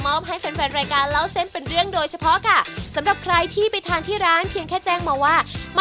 มาหนึ่งไม่มีของให้กินด้วย